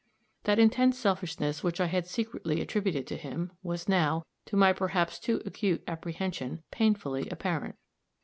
That intense selfishness which I had secretly attributed to him, was now, to my perhaps too acute apprehension, painfully apparent.